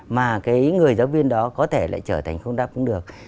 mà cái người giáo viên đó có thể lại trở thành không đáp ứng được